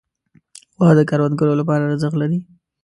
غوا د کروندګرو لپاره ارزښت لري.